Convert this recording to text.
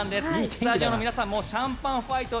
スタジオの皆さんもシャンパンファイトを